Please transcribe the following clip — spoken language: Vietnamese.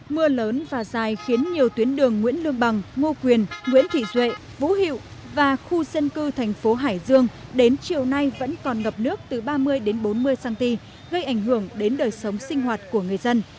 mưa lớn và dài khiến nhiều tuyến đường nguyễn lương bằng ngô quyền nguyễn thị duệ vũ hiệu và khu dân cư thành phố hải dương đến chiều nay vẫn còn ngập nước từ ba mươi đến bốn mươi cm gây ảnh hưởng đến đời sống sinh hoạt của người dân